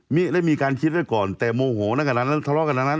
นี่ได้มีการคิดด้วยก่อนแต่โมโหทะเลาะกันด้านนั้น